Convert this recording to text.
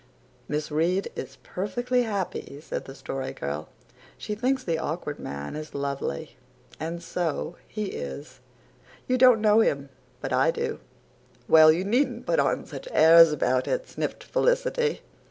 "Miss Reade is perfectly happy," said the Story Girl. "She thinks the Awkward Man is lovely and so he is. You don't know him, but I do." "Well, you needn't put on such airs about it," sniffed Felicity.